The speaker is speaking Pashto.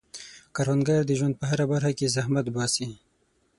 کروندګر د ژوند په هره برخه کې زحمت باسي